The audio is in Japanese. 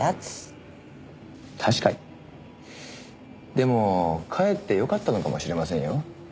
でもかえってよかったのかもしれませんよ。